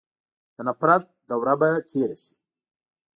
د نفرت دوره به تېره سي.